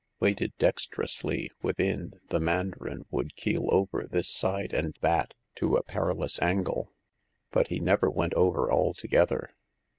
Weighted dexterously within, the mandarin would keel over this side and that, to a perilous angle, but he never went over altogether.